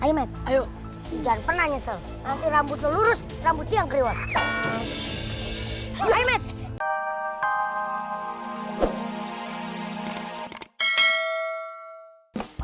hai mek ayo jangan pernah nyesel nanti rambut lurus rambut yang kriwal hai mek